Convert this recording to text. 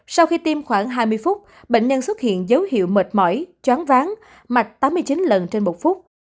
sau khi tiêm khoảng hai mươi phút bệnh nhân xuất hiện dấu hiệu mệt mỏi choán ván mạch tám mươi chín lần trên một phút